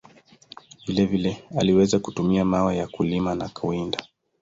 Vile vile, aliweza kutumia mawe kwa kulima na kuwinda.